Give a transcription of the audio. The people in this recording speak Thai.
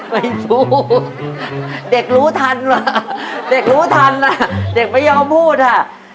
ไม่รู้เด็กรู้ทันล่ะเด็กรู้ทันอ่ะเด็กไม่ยอมพูดอ่ะ